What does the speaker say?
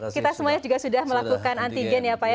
kita semuanya juga sudah melakukan antigen ya pak ya